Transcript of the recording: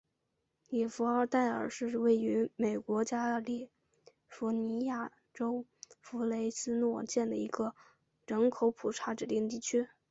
里弗代尔是位于美国加利福尼亚州弗雷斯诺县的一个人口普查指定地区。